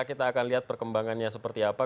kita akan lihat perkembangannya seperti apa